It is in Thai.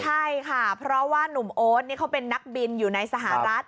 ใช่ค่ะเพราะว่านุ่มโอ๊ตนี่เขาเป็นนักบินอยู่ในสหรัฐ